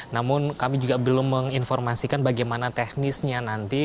namun kami juga belum menginformasikan bagaimana teknisnya nanti